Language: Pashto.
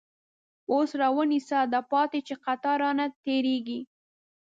اوس راونیسه داپاتی، چی قطار رانه تير یږی